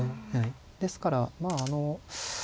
ですからまああの。